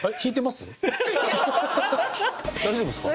大丈夫ですか？